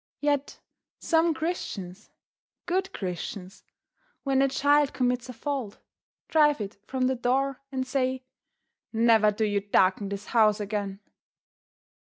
Yet some Christians, good Christians, when a child commits a fault, drive it from the door and say: "Never do you darken this house again."